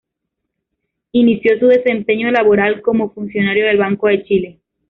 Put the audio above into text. Inició su desempeñó laboral como funcionario del Banco de Chile.